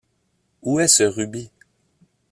Où est ce Ruby?